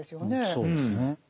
そうですね。